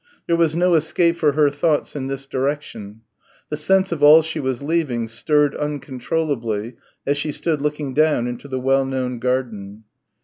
There was no escape for her thoughts in this direction. The sense of all she was leaving stirred uncontrollably as she stood looking down into the well known garden.